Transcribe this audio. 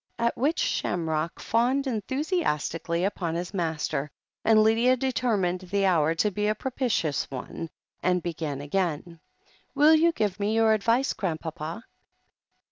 At which Shamrock fawned enthusiastically upon his master, and Lydia determined the hour to be a propitious one, and began again : "Will you give me your advice, Grandpapa